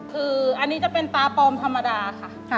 คืออันนี้จะเป็นปลาปลอมธรรมดาค่ะ